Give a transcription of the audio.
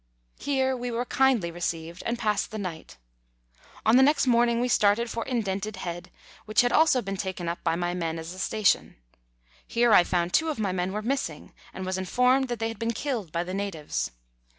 Here we were kindly received and passed the night. On the next morning we started for Indented Head, which had also been taken up by my men as a station. Here I found two of my men were missing, and was informed that they had been killed by the natives.